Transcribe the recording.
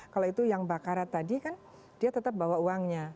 kalau itu yang bakarat tadi kan dia tetap bawa uangnya